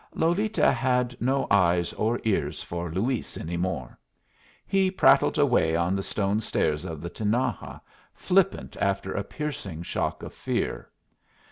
Lolita had no eyes or ears for Luis any more. He prattled away on the stone stairs of the Tinaja, flippant after a piercing shock of fear.